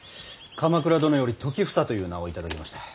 鎌倉殿より時房という名を頂きました。